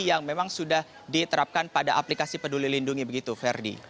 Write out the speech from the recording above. yang memang sudah diterapkan pada aplikasi peduli lindungi begitu ferdi